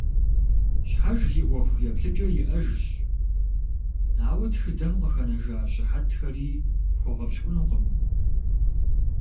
Щхьэж и ӏуэху еплъыкӏэ иӏэжщ, ауэ тхыдэм къыхэнэжа щыхьэтхэри пхуэгъэпщкӏунукъым.